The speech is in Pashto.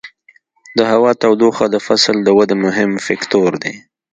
د هوا تودوخه د فصل د ودې مهم فکتور دی.